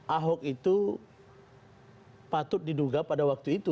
ahok itu patut diduga pada waktu itu